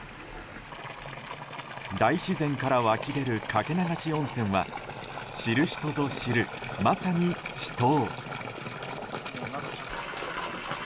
大自然から湧き出るかけ流し温泉は知る人ぞ知る、まさに秘湯。